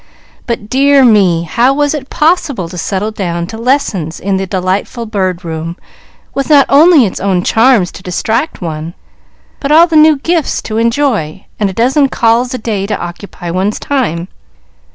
But, dear me, how was it possible to settle down to lessons in the delightful Bird Room, with not only its own charms to distract one, but all the new gifts to enjoy, and a dozen calls a day to occupy one's time?